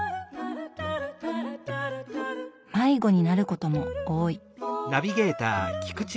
迷子になることも多い。